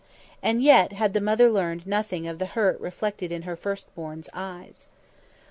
And yet had the mother learned nothing of the hurt reflected in her firstborn's eyes.